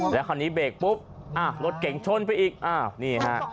แล้วคราวนี้เบรกปุ๊บอ่ะรถเก่งชนไปอีกอ้าวนี่ฮะ